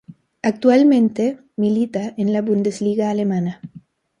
Actualmente milita en la Bundesliga alemana.